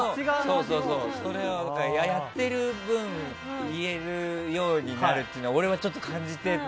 やってる分言えるようになるというのは俺もちょっと感じて。